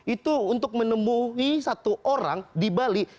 itu untuk menemui satu orang di bali